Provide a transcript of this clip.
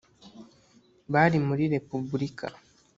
bari muri repubulika,